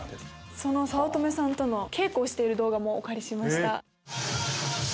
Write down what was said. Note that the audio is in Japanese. その早乙女さんとの稽古をしている動画もお借りしました。